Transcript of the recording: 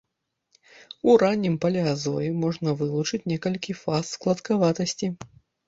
У раннім палеазоі можна вылучыць некалькі фаз складкаватасці.